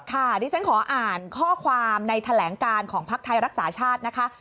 ดิฉันขออ่านข้อความในแถลงการของภักดิ์ไทยรักษาชาตินะคะ